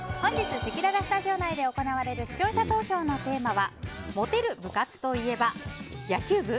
本日せきららスタジオ内で行われる視聴者投票のテーマはモテる部活といえば野球部？